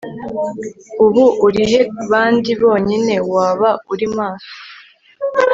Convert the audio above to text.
Ubu urihe bandi bonyine Waba uri maso